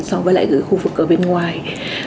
so với khu vực ở bên ngoài